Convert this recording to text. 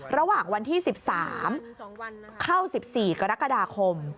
ระหว่างวันที่๑๓เข้า๑๔กรกฎาคม